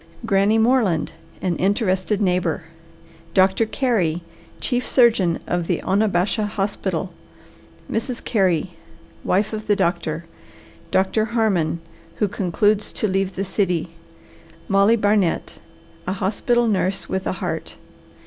GRANNY MORELAND, An Interested Neighbour. DR. CAREY, Chief Surgeon of the Onabasha Hospital. MRS. CAREY, Wife of the Doctor. DR. HARMON, Who Concludes to Leave the City. MOLLY BARNET, A Hospital Nurse with a Heart.